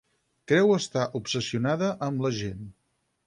Creu estar obsessionada amb la gent.